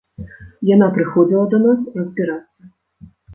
Яна прыходзіла да нас разбірацца.